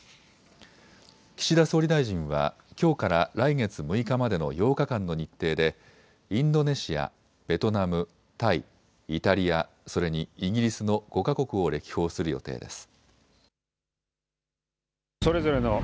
岸田総理大臣はきょうから来月６日までの８日間の日程でインドネシア、ベトナム、タイ、イタリアそれにイギリスの５か国を歴訪する予定です。